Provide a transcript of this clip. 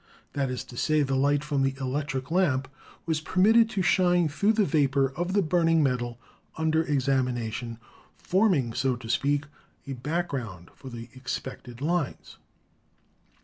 That is to say, the light from the electric lamp was permitted to shine through the vapor of the burning metal under exam ination, forming, so to speak, a background for the ex pected lines.